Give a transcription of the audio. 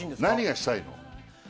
何がしたいの？